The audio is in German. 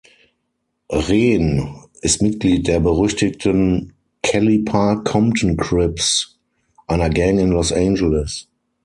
Ren ist Mitglied der berüchtigten Kelly Park Compton Crips, einer Gang in Los Angeles.